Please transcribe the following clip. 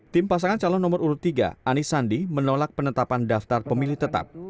tim pasangan calon nomor urut tiga anis sandi menolak penetapan daftar pemilih tetap